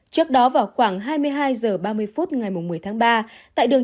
trước đó vào khoảng hai mươi hai h ba mươi phút ngày một mươi tháng ba